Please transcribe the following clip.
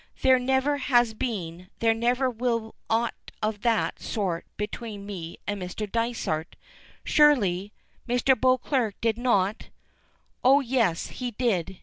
"There never has been, there never will be aught of that sort between me and Mr. Dysart Surely Mr. Beauclerk did not " "Oh, yes, he did.